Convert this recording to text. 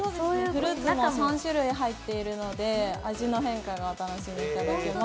フルーツも３種類入っているので味の変化がお楽しみいただけます。